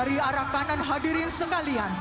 dibutuhkan kerjasama kita